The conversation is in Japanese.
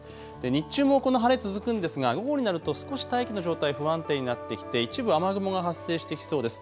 日中もこの晴れ、続くんですが午後になると少し大気の状態、不安定になってきて一部雨雲が発生してきそうです。